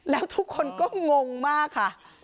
แล้วทุกคนก็งงมากค่ะ